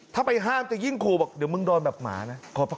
ถ้าไปห้ามจะยิ่งขู่บอกเดี๋ยวมึงโดนแบบหมานะ